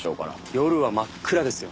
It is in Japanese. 夜は真っ暗ですよ。